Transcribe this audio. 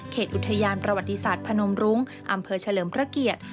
อุทยานประวัติศาสตร์พนมรุ้งอำเภอเฉลิมพระเกียรติ